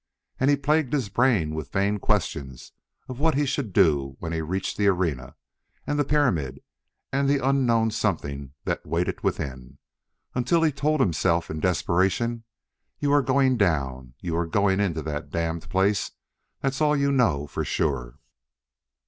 And he plagued his brain with vain questions of what he should do when he reached the arena and the pyramid and the unknown something that waited within, until he told himself in desperation: "You're going down, you're going into that damned place; that's all you know for sure."